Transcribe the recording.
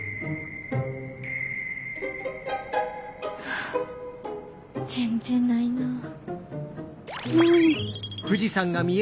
はあ全然ないなあ。